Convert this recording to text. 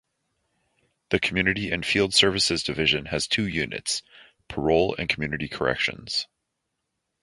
The community and field services division has two units - parole and community corrections.